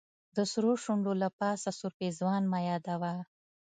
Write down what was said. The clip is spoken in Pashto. د سرو شونډو له پاسه سور پېزوان مه یادوه.